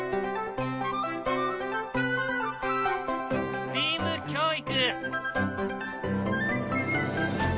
ＳＴＥＡＭ教育。